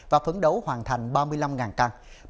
và phấn đấu hoàn thành ba căn nhà ở xã hội